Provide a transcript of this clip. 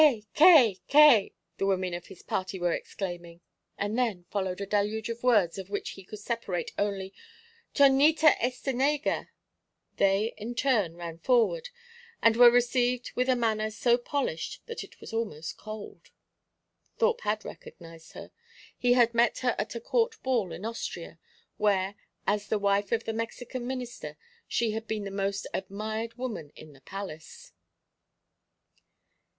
"Que! Que! Que!" the women of his party were exclaiming, and then followed a deluge of words of which he could separate only "Chonita Estenega." They, in turn, ran forward, and were received with a manner so polished that it was almost cold. Thorpe had recognised her. He had met her at a court ball in Austria, where, as the wife of the Mexican minister, she had been the most admired woman in the palace.